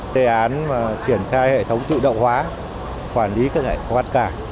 đề án triển khai hệ thống tự động hóa quản lý các hải quan cả